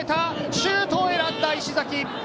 シュートを選んだ石崎。